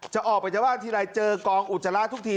จะออกไปจากบ้านทีไรเจอกองอุจจาระทุกที